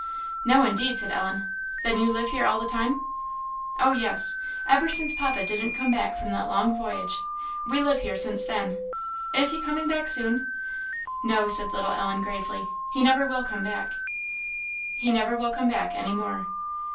"No, indeed," said Ellen. "Then you live here all the time?" "Oh, yes ever since papa didn't come back from that long voyage we live here since then." "Is he coming back soon?" "No," said little Ellen, gravely "he never will came back he never will come back any more."